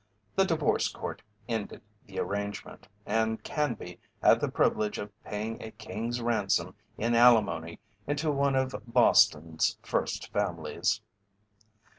The divorce court ended the arrangement, and Canby had the privilege of paying a king's ransom in alimony into one of Boston's first families.